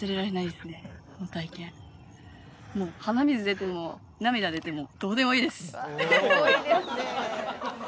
この体験もう鼻水出ても涙出てもどうでもいいです